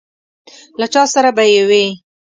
له چا سره به یې وي.